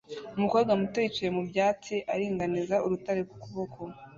Umukobwa muto yicaye mu byatsi aringaniza urutare ku kuboko